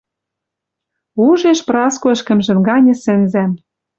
Ужеш Праско ӹшкӹмжӹн ганьы сӹнзӓм